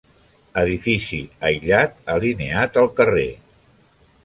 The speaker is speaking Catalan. Edifici aïllat, alineat al carrer.